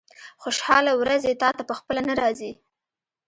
خوشاله ورځې تاته په خپله نه راځي.